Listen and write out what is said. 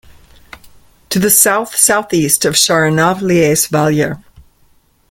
To the south-southeast of Sharonov lies Valier.